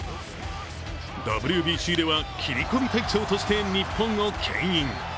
ＷＢＣでは切り込み隊長として日本をけん引。